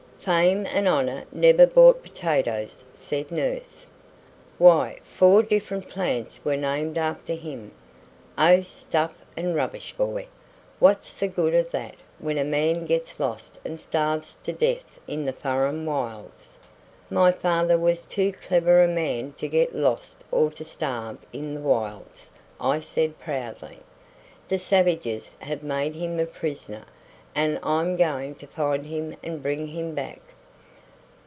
"Fame and honour never bought potatoes," said nurse. "Why, four different plants were named after him." "Oh, stuff and rubbish, boy! What's the good of that when a man gets lost and starves to death in the furren wilds!" "My father was too clever a man to get lost or to starve in the wilds," I said proudly. "The savages have made him a prisoner, and I'm going to find him and bring him back."